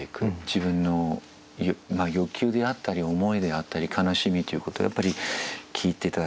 自分の欲求であったり思いであったり悲しみということをやっぱり聞いて頂きたいという。